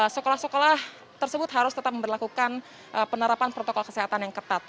sekolah sekolah tersebut harus tetap memperlakukan penerapan protokol kesehatan yang ketat